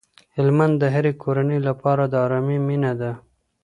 هلمند د هرې کورنۍ لپاره د ارامۍ مينه ده.